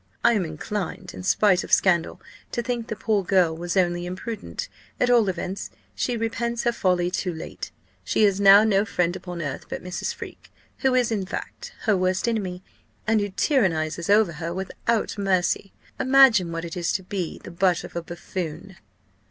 I am inclined, in spite of scandal, to think the poor girl was only imprudent: at all events, she repents her folly too late. She has now no friend upon earth but Mrs. Freke, who is, in fact, her worst enemy, and who tyrannizes over her without mercy. Imagine what it is to be the butt of a buffoon!"